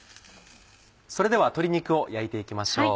それでは鶏肉を焼いて行きましょう。